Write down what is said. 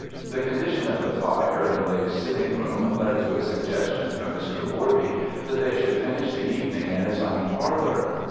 The condition of the fire in Lake's sitting room led to a suggestion from Mr. Worby that they should finish the evening in his own parlour.